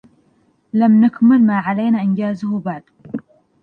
لم نكمل ما علينا إنجازه بعد.